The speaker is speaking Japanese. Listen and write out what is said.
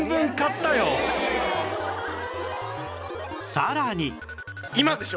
さらに